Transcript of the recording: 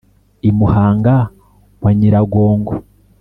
i muhanga wa nyiragongo